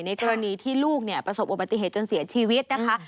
กรณีที่ลูกประสบอุบัติเหตุจนเสียชีวิตนะคะ